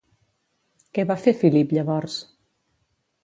Què va fer Filip llavors?